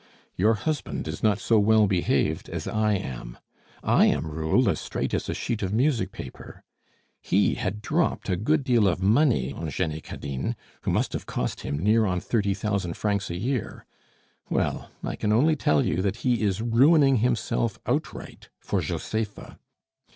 Your husband is not so well behaved as I am. I am ruled as straight as a sheet of music paper. He had dropped a good deal of money on Jenny Cadine, who must have cost him near on thirty thousand francs a year. Well, I can only tell you that he is ruining himself outright for Josepha.